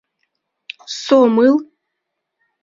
Сомыл